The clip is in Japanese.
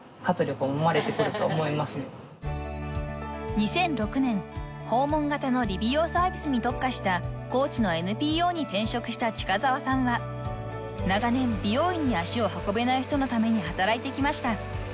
［２００６年訪問型の理美容サービスに特化した高知のＮＰＯに転職した近澤さんは長年美容院に足を運べない人のために働いてきました］